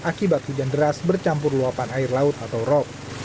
akibat hujan deras bercampur luapan air laut atau rop